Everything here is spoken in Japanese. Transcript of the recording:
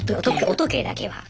お時計だけは。